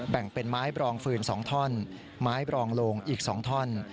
แบ่งเป็นไม้บรองฟืน๒ท่อนไม้บรองโลงอีก๒ท่อน